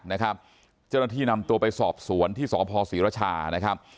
เจ้าหน้าที่นำตัวไปสอบสวนที่ศภพศิรชา